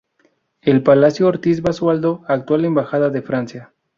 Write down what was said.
El Palacio Ortiz Basualdo actual embajada de Francia.